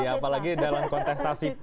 iya apalagi dalam kontestasi